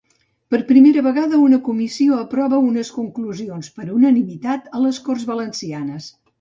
Per primera vegada una comissió aprova unes conclusions per unanimitat a les Corts Valencianes.